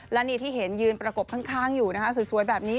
และนี่ที่เห็นยืนประกบข้างอยู่นะคะสวยแบบนี้